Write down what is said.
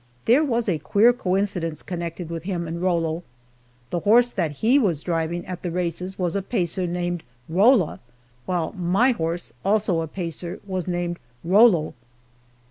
There was a queer coincidence connected with him and Rollo. The horse that he was driving at the races was a pacer named Rolla, while my horse, also a pacer, was named Rollo.